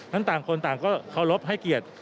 ต่างคนต่างก็เคารพให้เกียรติ